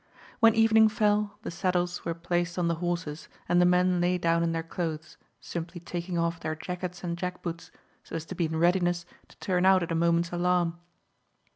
When evening fell, the saddles were placed on the horses, and the men lay down in their clothes, simply taking off their jackets and jack boots, so as to be in readiness to turn out at a moment's alarm.